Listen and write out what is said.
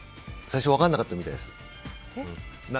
最初分からなかったみたいです。